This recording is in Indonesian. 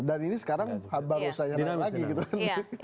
dan ini sekarang baru saya naik lagi gitu kan